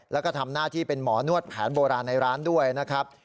แล้วก็ทำหน้าที่เป็นหมอนวดแผนโบราณในร้านด้วยนะครับ